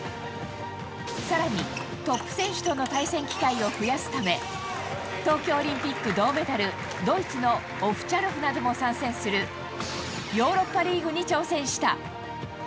さらに、トップ選手との対戦機会を増やすため、東京オリンピック銅メダル、ドイツのオフチャロフなども参戦するヨーロッパリーグに挑戦した。